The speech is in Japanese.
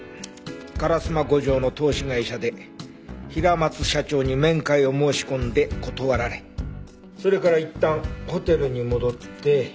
烏丸五条の投資会社で平松社長に面会を申し込んで断られそれからいったんホテルに戻って。